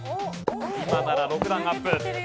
今なら６段アップ。